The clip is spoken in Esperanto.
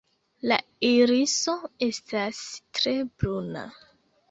La iriso estas tre bruna.